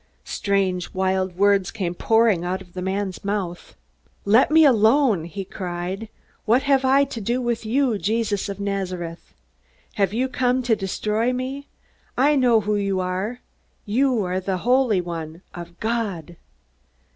Strange, wild words came pouring out of the man's mouth. "Let me alone!" he cried. "What have I to do with you, Jesus of Nazareth? Have you come to destroy me? I know who you are. You are the Holy One of God!"